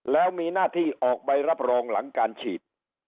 แล้วมีหน้าที่ออกใบรับรองหลังการฉีด